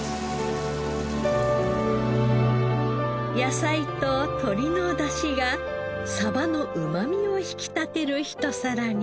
野菜と鶏の出汁がサバのうまみを引き立てる一皿に。